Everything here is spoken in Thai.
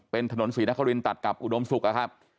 เป็นถนนศรีนครินตัดกับอุดมศุกร์นะครับ